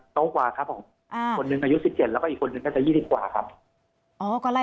โตกว่าครับผมคนหนึ่งอายุ๑๗แล้วก็อีกคนนึงก็จะ๒๐กว่าครับ